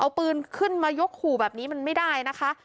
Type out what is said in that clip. เอาปืนขึ้นมายกขู่แบบนี้มันไม่ได้นะคะ